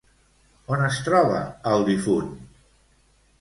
On es troba el difunt?